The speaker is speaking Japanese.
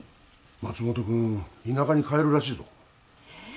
松本君田舎に帰るらしいぞえっ？